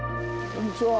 ・こんにちは。